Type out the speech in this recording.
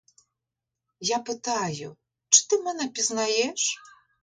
Я питаю, чи ти мене пізнаєш?